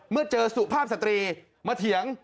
เมื่อเจอสุภาพสตรีมาเถียง